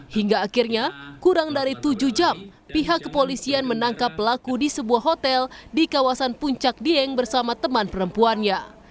hingga akhirnya kurang dari tujuh jam pihak kepolisian menangkap pelaku di sebuah hotel di kawasan puncak dieng bersama teman perempuannya